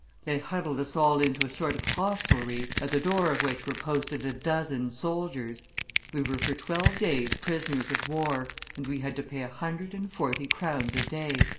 They huddled us all into a sort of hostelry, at the door of which were posted a dozen soldiers; we were for twelve days prisoners of war, and we had to pay a hundred and forty crowns a day."